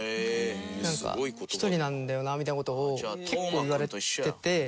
なんか「ひとりなんだよな」みたいな事を結構言われてて。